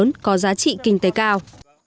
nhất có giá trị kinh tế cao